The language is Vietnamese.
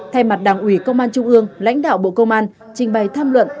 thay mặt đảng ủy công an trung ương lãnh đạo bộ công an trình bày tham luận